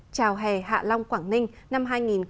chào hè hạ long quảng ninh năm hai nghìn hai mươi